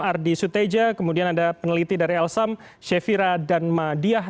ardi suteja kemudian ada peneliti dari elsam shefira dan madiah